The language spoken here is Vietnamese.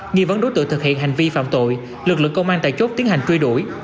nghi vấn đối tượng thực hiện hành vi phạm tội lực lượng công an tại chốt tiến hành truy đuổi